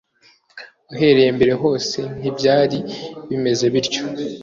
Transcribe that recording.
uhereye mbere hose ntibyari bimeze bityo